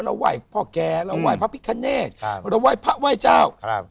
ไหว้พ่อแกเราไหว้พระพิคเนตครับเราไหว้พระไหว้เจ้าครับ